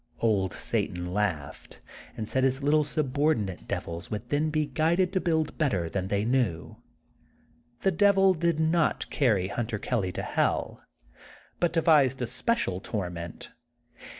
Old Satan laughed, and said his little subordinate devils would then be guided to build better than they knew. The Devil did not carry Hun ter Kelly to Hell, but devised a special tor ment.